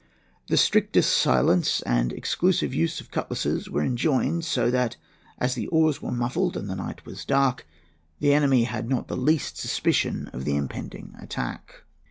The strictest silence and the exclusive use of cutlasses were enjoined; so that, as the oars were muffled and the night was dark, the enemy had not the least suspicion of the impending attack.